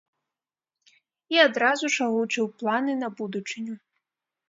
І адразу ж агучыў планы на будучыню.